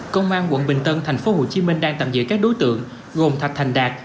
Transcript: công an quận bình tân tp hcm đang tạm giữ các đối tượng gồm thạch thành đạt